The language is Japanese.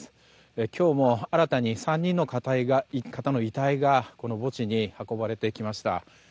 今日も新たに３人の方の遺体がこの墓地に運ばれてきました。